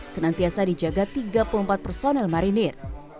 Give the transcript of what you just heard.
senantiasa dijaga tiga puluh empat personel marinir